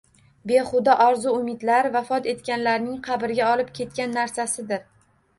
Behuda orzu-umidlar vafot etganlarning qabrga olib ketgan narsasidir.